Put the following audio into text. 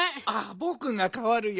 ぼくがかわるよ。